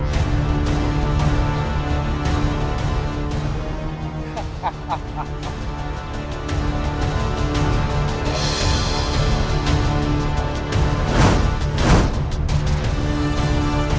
jangan berpikir saja